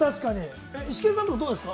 イシケンさんとか、どうですか？